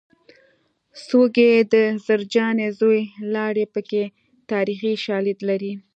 څوک یې د زرجانې زوی لاړې پکې تاریخي شالید لري